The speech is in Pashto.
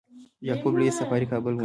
یعقوب لیث صفاري کابل ونیو